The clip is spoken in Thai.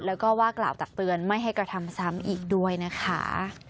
แล้วก็ว่ากล่าวตักเตือนไม่ให้กระทำซ้ำอีกด้วยนะคะ